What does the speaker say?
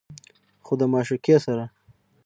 خو د معشوقې سره